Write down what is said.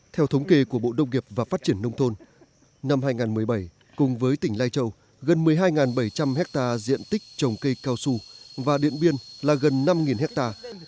theo thống kê của bộ đông nghiệp và phát triển nông thôn năm hai nghìn một mươi bảy cùng với tỉnh lai châu gần một mươi hai bảy trăm linh hectare diện tích trồng cây cao su và điện biên là gần năm hectare